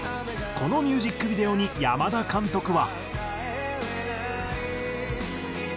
このミュージックビデオに山田監督は。